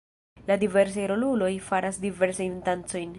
La diversaj roluloj faras diversajn dancojn.